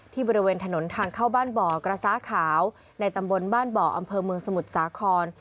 บริเวณถนนทางเข้าบ้านบ่อกระซ้าขาวในตำบลบ้านบ่ออำเภอเมืองสมุทรสาคร